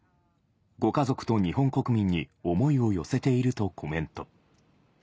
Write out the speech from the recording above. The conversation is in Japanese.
ご家族と日本国民に思いを寄せているとコメント。